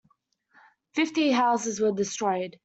Fifty houses were destroyed.